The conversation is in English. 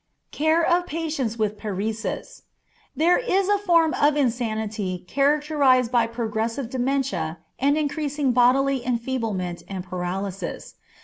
Care of Patients with Paresis. This is a form of insanity characterized by progressive dementia and increasing bodily enfeeblement and paralysis.